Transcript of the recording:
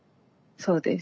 そうです。